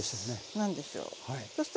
何でしょうね。